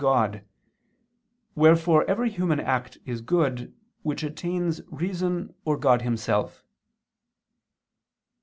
God: wherefore every human act is good, which attains reason or God Himself.